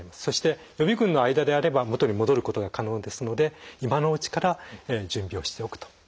そして予備群の間であれば元に戻ることが可能ですので今のうちから準備をしておくと。